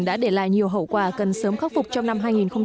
đã để lại nhiều hậu quả cần sớm khắc phục trong năm hai nghìn một mươi bảy